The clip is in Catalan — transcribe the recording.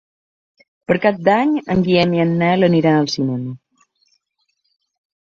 Per Cap d'Any en Guillem i en Nel aniran al cinema.